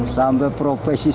sampai profesi sah